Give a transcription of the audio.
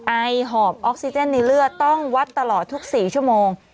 ไอหอบออกซิเจนในเลือดต้องวัดตลอดทุก๔ชั่วโมง